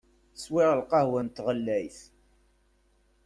Swiɣ lqahwa n tɣellayt.